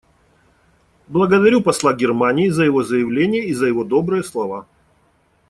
Благодарю посла Германии за его заявление и за его добрые слова.